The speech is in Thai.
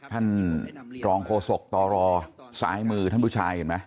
ท่านรองโฆษกตรซ้ายมือท่านผู้ชายเห็นไหม